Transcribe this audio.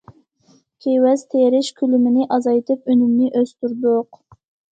كېۋەز تېرىش كۆلىمىنى ئازايتىپ، ئۈنۈمىنى ئۆستۈردۇق.